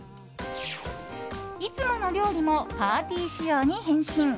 いつもの料理もパーティー仕様に変身。